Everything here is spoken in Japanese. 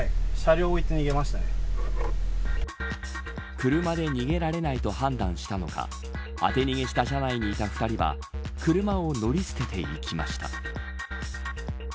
車で逃げられないと判断したのか当て逃げした車内にいた２人は車を乗り捨てていきました。